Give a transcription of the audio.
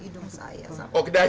dahinya ke hidung saya